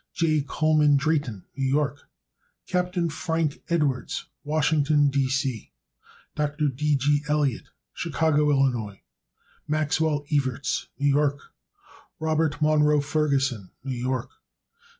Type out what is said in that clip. J. Coleman Drayton, New York. Capt. Frank Edwards, Washington, D. C. Dr. D. G. Elliott, Chicago, Ill. Maxwell Evarts, New York. Robert Munro Ferguson, New York.